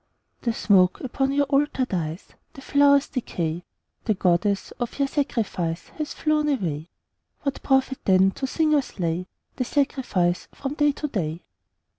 _) The smoke upon your Altar dies, The flowers decay, The Goddess of your sacrifice Has flown away. What profit, then, to sing or slay The sacrifice from day to day?